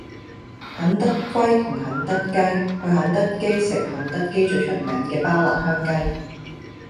肯德龜同肯德雞去肯德基食肯德基最出名嘅巴辣香雞